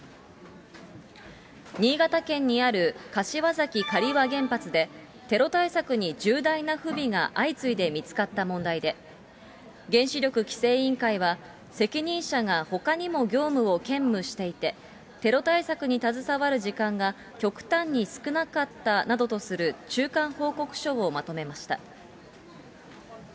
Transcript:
新潟県にある柏崎刈羽原発で、テロ対策に重大な不備が相次いで見つかった問題で、原子力規制委員会は、責任者がほかにも業務を兼務していて、テロ対策に携わる時間が極端に少なかったなどとする中間報告書をまとめました。